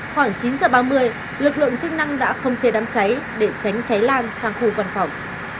khoảng chín h ba mươi lực lượng chức năng đã không chế đám cháy để tránh cháy lan sang khu văn phòng